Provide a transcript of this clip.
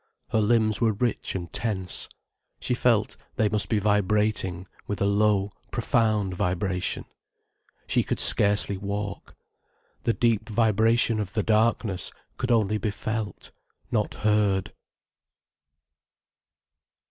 Her limbs were rich and tense, she felt they must be vibrating with a low, profound vibration. She could scarcely walk. The deep vibration of the darkness could only be felt, not heard.